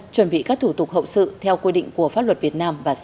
chuẩn bị các thủ tục hậu sự theo quy định của pháp luật việt nam và sở hữu